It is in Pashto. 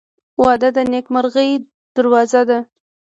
• واده د نیکمرغۍ دروازه ده.